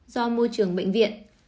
do môi trường bệnh viện